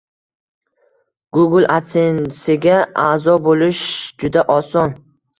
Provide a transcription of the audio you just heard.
Google adsensega a’zo bo’lish juda oson